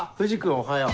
おはよう。